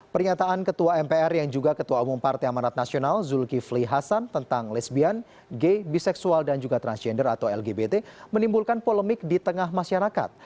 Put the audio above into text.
pernyataan ketua mpr yang juga ketua umum partai amanat nasional zulkifli hasan tentang lesbian gay biseksual dan juga transgender atau lgbt menimbulkan polemik di tengah masyarakat